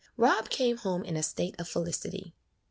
Rob came home in a state of felicity.